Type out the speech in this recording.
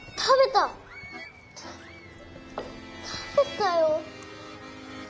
た食べたよ。